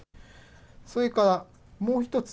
それからもう１つ。